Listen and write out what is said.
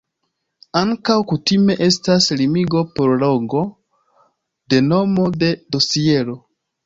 Ankaŭ kutime estas limigo por longo de nomo de dosiero.